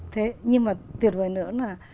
thế nhưng mà tuyệt vời nữa là